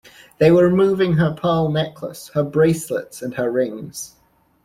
They were removing her pearl necklace, her bracelets, and her rings.